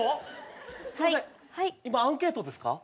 今アンケートですか？